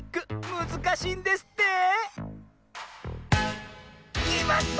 むずかしいんですってきまった！